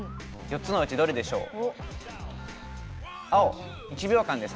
４つのうちどれでしょう。